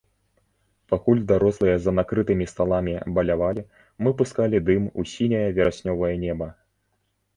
Пакуль дарослыя за накрытымі сталамі балявалі, мы пускалі дым у сіняе вераснёвае неба.